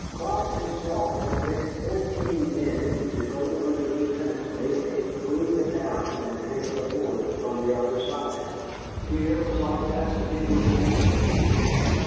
Clark himself had picked fourteen men to go under Lieutenant Bayley through the town and take the fort from the other side. Here was audacity with a vengeance.